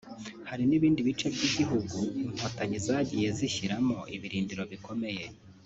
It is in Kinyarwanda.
hari n’ibindi bice by’igihugu Inkotanyi zagiye zishyiramo ibirindiro bikomeye